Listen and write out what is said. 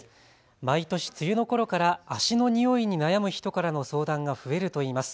毎年、梅雨のころから足の臭いに悩む人からの相談が増えるといいます。